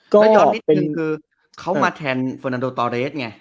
ก็ยอมนิดนึงคือเขามาแทนเฟอร์นาโดตอเรสไง